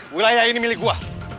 wilayah ini milik gue